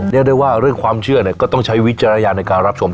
เรียกได้ว่าเรื่องความเชื่อก็ต้องใช้วิจารณญาณในการรับชม